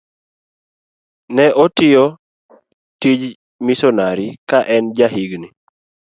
Ne otiyo tij misonari ka en jahigni